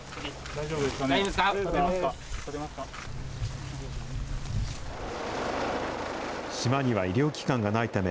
大丈夫ですかね。